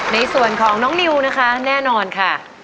ในส่วนของน้องนิวนะคะแน่นอนค่ะ